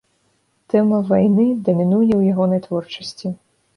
Тэма вайны дамінуе ў ягонай творчасці.